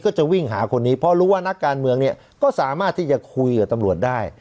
ก็จะวิ่งหาคนนี้เพราะรู้ว่านักการเมืองเนี่ยก็สามารถที่จะคุยกับตำรวจได้